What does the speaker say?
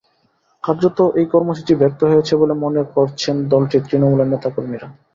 কার্যত এই কর্মসূচি ব্যর্থ হয়েছে বলে মনে করছেন দলটির তৃণমূলের নেতা কর্মীরা।